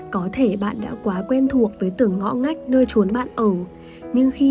có thể bạn đã quá quen thuộc với tưởng ngõ ngách nơi trốn bạn ở